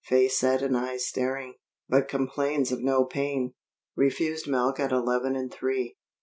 Face set and eyes staring, but complains of no pain. Refused milk at eleven and three."